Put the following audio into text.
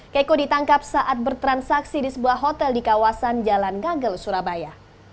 keiko ditangkap saat bertransaksi di sebuah hotel di kawasan jalan ngagel surabaya